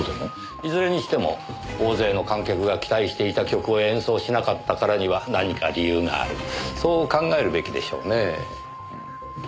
いずれにしても大勢の観客が期待していた曲を演奏しなかったからには何か理由があるそう考えるべきでしょうねえ。